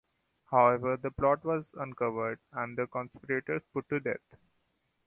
However, the plot was uncovered, and the conspirators put to death.